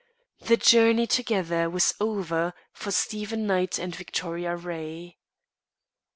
The journey together was over for Stephen Knight and Victoria Ray.